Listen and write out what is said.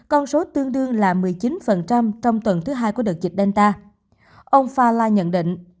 con số tương đương là một mươi chín trong tuần thứ hai của đợt dịch delta ông fala nhận định